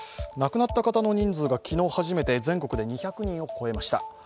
亡くなった方の人数が昨日初めて全国で２００人を超えました。